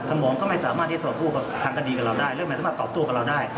ท่านหวงเขาไม่สามารถให้ตัวพูดทางการดีกับเราได้แล้วมันต้องมาตอบตัวกับเราได้